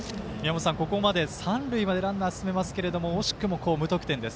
ここまで三塁までランナー進めますが惜しくも無得点です。